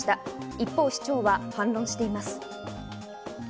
一方、市長は反論しています。